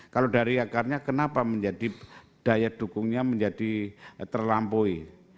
kalau dari akarnya kenapa menjadi daya dukungnya menjadi terlampaui